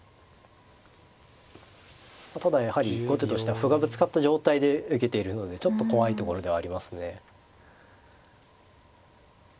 ただやはり後手としては歩がぶつかった状態で受けているのでちょっと怖いところではありますね。